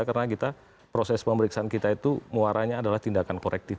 karena kita proses pemeriksaan kita itu muaranya adalah tindakan korektif